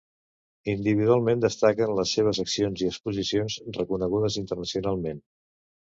Individualment destaquen les seves accions i exposicions, reconegudes internacionalment.